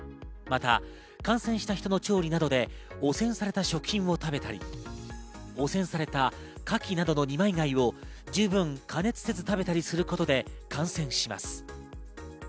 また感染した人の調理などで汚染された食品を食べたり、汚染されたカキなどの二枚貝を十分加熱せず食べたりすることで感染します。